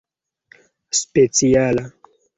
speciala